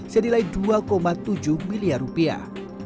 senilai dua tujuh miliar rupiah